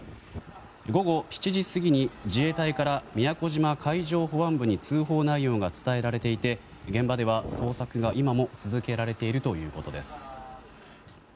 午後７時過ぎに自衛隊から宮古島海上保安部に通報内容が伝えられていて現場では捜索が今も続けられているということです。